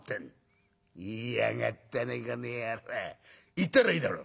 行ったらいいだろう」。